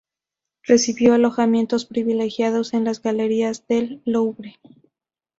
Recibió alojamientos privilegiados en las Galerías del Louvre.